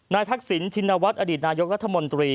ทักษิณชินวัฒน์อดีตนายกรัฐมนตรี